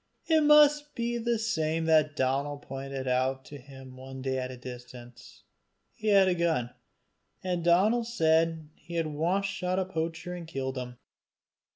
It must be the same that Donal pointed out to him one day at a distance; he had a gun, and Donal said he had once shot a poacher and killed him.